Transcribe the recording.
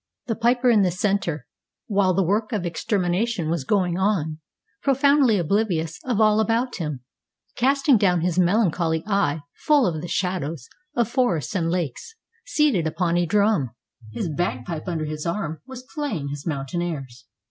The piper in the center, while the work of extermination was going on, profoundly oblivious of all about him, casting down his melancholy eye full of the shadows of forests and lakes, seated upon a drum, his bagpipe under his arm, was playing his mountain airs.